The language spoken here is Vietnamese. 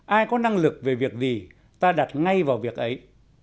ai có năng lực về việc gì ta đặt ngay vào việc ấy